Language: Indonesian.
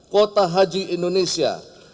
kuota haji indonesia